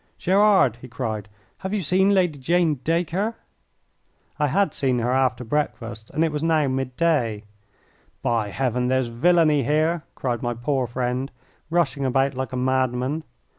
"Gerard," he cried, "have you seen Lady Jane Dacre?" I had seen her after breakfast and it was now mid day. "By Heaven, there's villainy here!" cried my poor friend, rushing about like a madman.